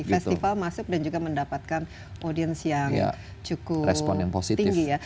festival masuk dan juga mendapatkan audiens yang cukup tinggi ya